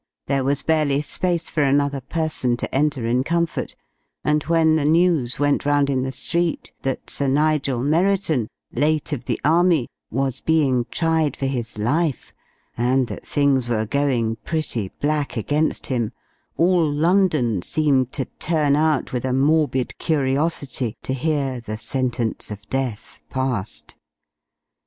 There was barely space for another person to enter in comfort, and when the news went round in the street that Sir Nigel Merriton, late of the army, was being tried for his life, and that things were going pretty black against him, all London seemed to turn out with a morbid curiosity to hear the sentence of death passed.